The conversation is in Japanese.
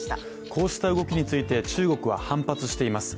こうした動きについて中国は反発しています。